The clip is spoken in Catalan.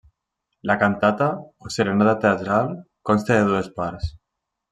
La cantata, o serenata teatral, consta de dues parts.